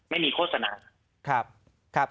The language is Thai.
ไม่มีโฆษณา